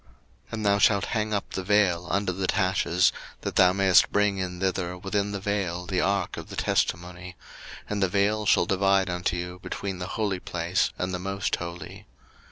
02:026:033 And thou shalt hang up the vail under the taches, that thou mayest bring in thither within the vail the ark of the testimony: and the vail shall divide unto you between the holy place and the most holy.